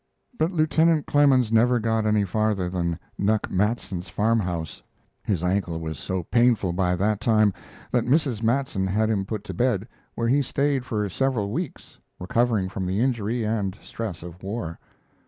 But Lieutenant Clemens never got any farther than Nuck Matson's farm house. His ankle was so painful by that time that Mrs. Matson had him put to bed, where he stayed for several weeks, recovering from the injury and stress of war.